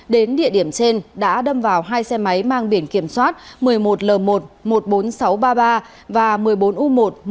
đến địa điểm trên đã đâm vào hai xe máy mang biển kiểm soát một mươi một l một một mươi bốn nghìn sáu trăm ba mươi ba và một mươi bốn u một một mươi bốn nghìn sáu trăm bốn mươi hai